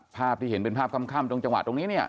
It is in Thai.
ภาพที่เห็นเป็นภาพค่ำตรงจังหวะตรงนี้เนี่ย